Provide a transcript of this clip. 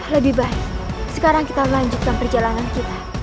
lebih baik sekarang kita lanjutkan perjalanan kita